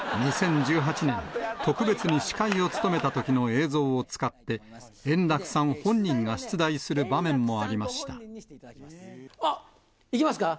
２０１８年、特別に司会を務めたときの映像を使って、円楽さん本人が出題するあっ、いきますか。